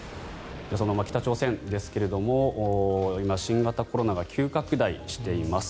北朝鮮ですが今、新型コロナが急拡大しています。